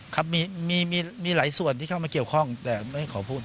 ครับมีหลายส่วนที่เข้ามาเกี่ยวข้องแต่ไม่ขอพูด